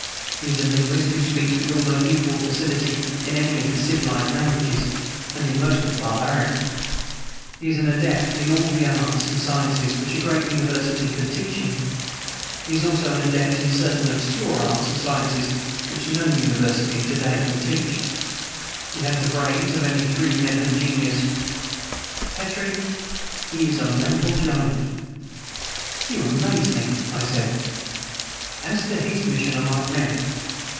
He is a linguist who speaks with almost equal facility in any of the civilized languages, and in most of the barbaric. He is an adept in all the arts and sciences which a great university could teach him. He also is an adept in certain obscure arts and sciences which no university of to day can teach. He has the brains of any three men of genius. Petrie, he is a mental giant." "You amaze me!" I said. "As to his mission among men.